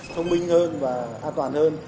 thông minh hơn và an toàn hơn